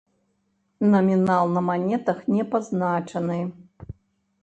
Намінал на манетах не пазначаны.